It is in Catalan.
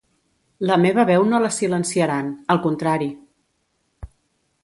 La meva veu no la silenciaran, al contrari.